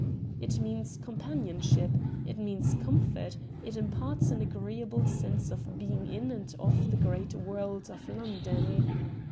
It means companionship, it means comfort, it imparts an agreeable sense of being in and of the great world of London.